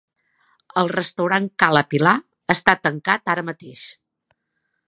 El restaurant Ca La Pilar està tancat ara mateix.